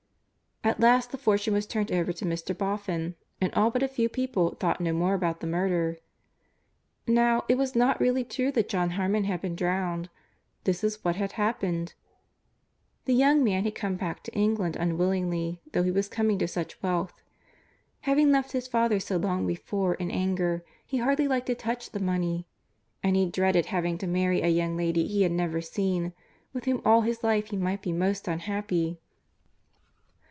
At last the fortune was turned over to Mr. Boffin, and all but a few people thought no more about the murder. Now, it was not really true that John Harmon had been drowned. This is what had happened: The young man had come back to England unwillingly, though he was coming to such wealth. Having left his father so long before in anger, he hardly liked to touch the money. And he dreaded having to marry a young lady he had never seen, with whom all his life he might be most unhappy.